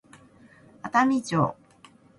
熱海城